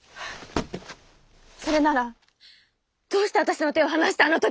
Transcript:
それならどうして私の手を離したあの時！